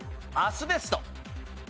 アスベスト。